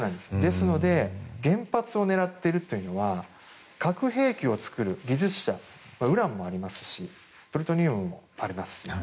ですので原発を狙っているというのは核兵器を作る技術者ウランもありますしプルトニウムもあります。